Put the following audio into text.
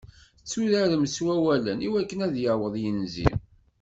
Tetturarem s wawalen iwakken ad yaweḍ yinzi.